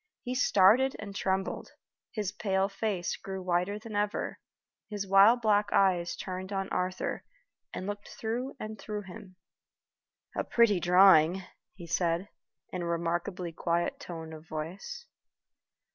He started and trembled; his pale face grew whiter than ever; his wild black eyes turned on Arthur, and looked through and through him. "A pretty drawing," he said, in a remarkably quiet tone of voice.